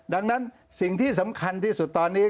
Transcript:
ดังนั้นสิ่งที่สำคัญที่สุดตอนนี้